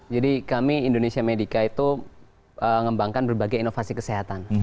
jadi kami indonesia medica itu mengembangkan berbagai inovasi kesehatan